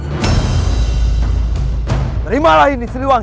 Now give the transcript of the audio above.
hai terimalah ini seriwangi